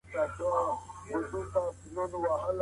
که هڅه ونکړئ نو بریالي به نشئ.